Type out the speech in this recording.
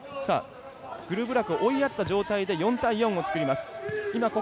グルブラクを追いやった状態で４対４をつくります。